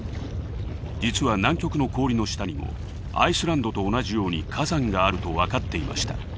実は南極の氷の下にもアイスランドと同じように火山があると分かっていました。